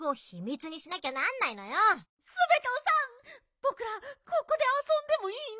ぼくらここであそんでもいいの？